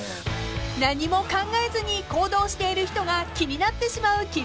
［何も考えずに行動している人が気になってしまう鬼龍院さん］